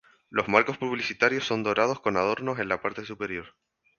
Los marcos publicitarios son dorados con adornos en la parte superior.